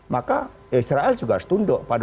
maka israel juga harus tunduk pada